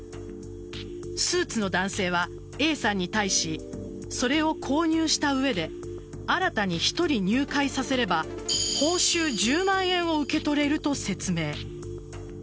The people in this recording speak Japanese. スーツの男性はＡさんに対しそれを購入した上で新たに１人、入会させれば報酬１０万円を受け取れると説明。